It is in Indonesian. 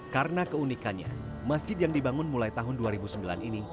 karena keunikannya masjid yang dibangun mulai tahun dua ribu sembilan ini